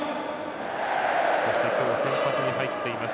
そして今日、先発に入っています